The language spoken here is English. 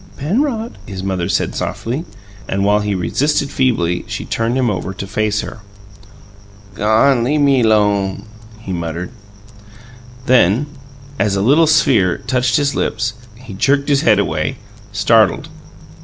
"Penrod," his mother said softly, and, while he resisted feebly, she turned him over to face her. "Gawn lea' me 'lone," he muttered. Then, as a little sphere touched his lips, he jerked his head away, startled.